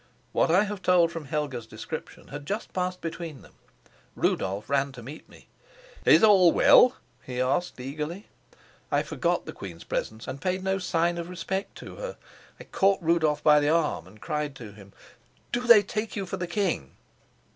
What I have told from Helga's description had just passed between them. Rudolf ran to meet me. "Is all well?" he asked eagerly. I forgot the queen's presence and paid no sign of respect to her. I caught Rudolf by the arm and cried to him: "Do they take you for the king?"